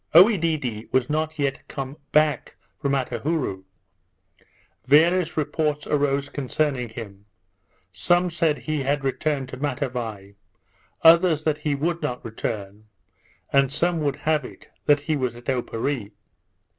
Oedidee was not yet come back from Attahourou; various reports arose concerning him: Some said he had returned to Matavai; others, that he would not return; and some would have it, that he was at Oparree.